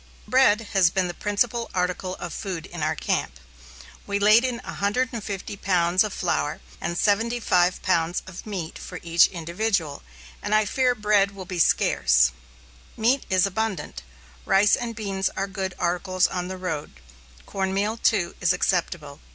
Bread has been the principal article of food in our camp. We laid in 150 pounds of flour and 75 pounds of meat for each individual, and I fear bread will be scarce. Meat is abundant. Rice and beans are good articles on the road; cornmeal, too, is acceptable.